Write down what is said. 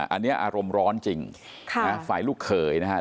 อันนี้อารมณ์ร้อนจริงฝ่ายลูกเขยนะครับ